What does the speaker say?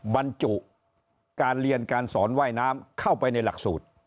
บรรจุการเรียนการสอนว่ายน้ำเข้าไปในหลักสูตร